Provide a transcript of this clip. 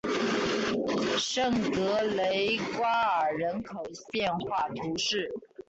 圣格雷瓜尔人口变化图示